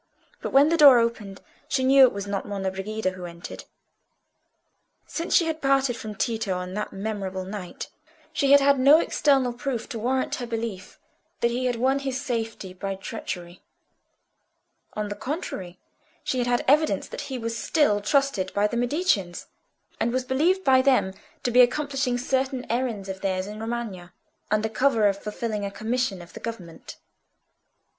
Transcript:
But when the door opened she knew it was not Monna Brigida who entered. Since she had parted from Tito on that memorable night, she had had no external proof to warrant her belief that he had won his safety by treachery; on the contrary, she had had evidence that he was still trusted by the Mediceans, and was believed by them to be accomplishing certain errands of theirs in Romagna, under cover of fulfilling a commission of the government.